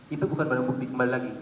itu bukan barang bukti kembali lagi